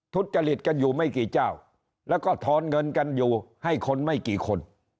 ทุจริตกันอยู่ไม่กี่เจ้าแล้วก็ทอนเงินกันอยู่ให้คนไม่กี่คน